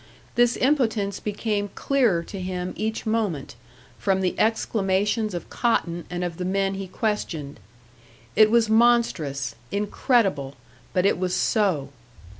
This impotence became clearer to him each moment from the exclamations of Cotton and of the men he questioned. It was monstrous, incredible but it was so!